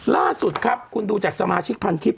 ล่าสุดครับคุณดูจากสมาชิกพันทิพย